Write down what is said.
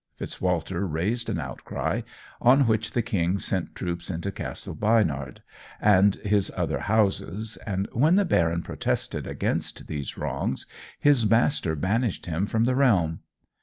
Fitz Walter raised an outcry, on which the King sent troops into Castle Baynard and his other houses, and when the baron protested against these wrongs, his master banished him from the realm.